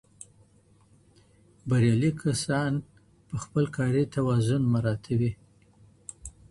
بریالي کسان به خپل کاري توازن مراعاتوي.